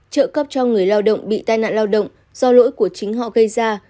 trợ cấp cho người lao động bị tai nạn lao động do lỗi của chính họ gây ra